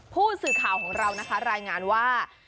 ผู้สื่อข่าวของเรานะคะรายงานว่า